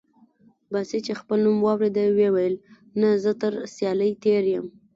باسي چې خپل نوم واورېد وې ویل: نه، زه تر سیالۍ تېر یم.